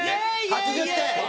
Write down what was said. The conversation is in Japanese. ８０点！